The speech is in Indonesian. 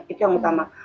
itu yang utama